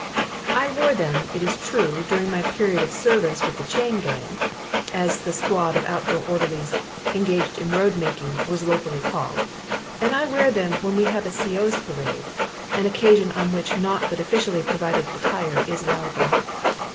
I wore them, it is true, during my period of service with the Chain Gang, as a squad of outdoor orderlies, engaged in road making, was locally called. And I wear them when we have a "C.O.'s Parade" an occasion on which naught but officially provided attire is allowable.